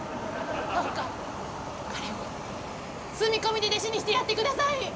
どうか彼を住み込みで弟子にしてやってください！